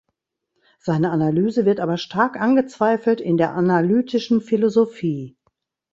Seine Analyse wird aber stark angezweifelt in der analytischen Philosophie.